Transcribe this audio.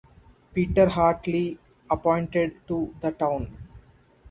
Peter Hartley appointed to the town.